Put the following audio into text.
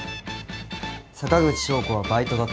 坂口翔子はバイトだった。